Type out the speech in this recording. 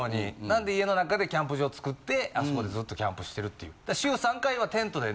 なんで家の中でキャンプ場作ってあそこでずっとキャンプしてるっていう。